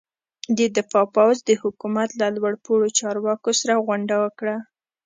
د دفاع پوځ د حکومت له لوړ پوړو چارواکو سره غونډه وکړه.